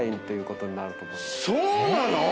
そうなの！？